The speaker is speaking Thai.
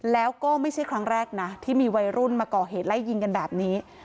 แล้วก็ไม่ใช่ครั้งแรกนะที่มีวัยรุ่นมาก่อเหตุไล่ยิงกันแบบนี้